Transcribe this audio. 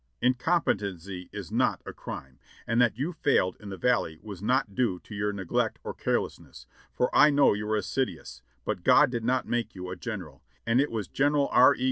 "Incompetency is not a crime, and that you failed in the Valley was not due to your neglect or carelessness, for I know you were as 656 JOHNNY REB AND BILLY YANK siduous, but God did not make yon a general, and it was General R. E.